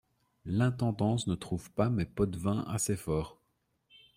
L'intendance ne trouve pas mes pots-de-vin assez forts.